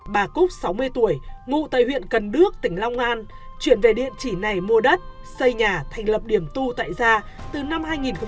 bà cúc sáu mươi tuổi ngụ tại huyện cần đước tỉnh long an chuyển về địa chỉ này mua đất xây nhà thành lập điểm tu tại gia từ năm hai nghìn một mươi